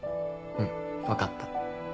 うん分かった。